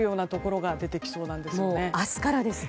もう、明日からですね。